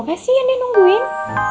kasian dia nungguin